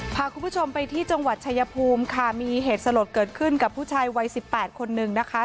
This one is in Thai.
พาคุณผู้ชมไปที่จังหวัดชายภูมิค่ะมีเหตุสลดเกิดขึ้นกับผู้ชายวัยสิบแปดคนนึงนะคะ